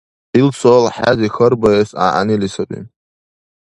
Ил суал хӀези хьарбаэс гӀягӀнили саби.